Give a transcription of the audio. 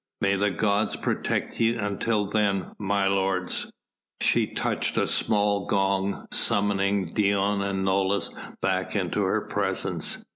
May the gods protect ye until then, my lords." She touched a small gong summoning Dion and Nolus back into her presence.